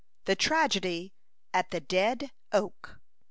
THE TRAGEDY AT THE "DEAD OAK."